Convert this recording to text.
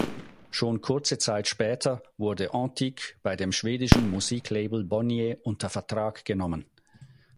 Schon kurze Zeit später wurde Antique bei dem schwedischen Musiklabel Bonnier unter Vertrag genommen.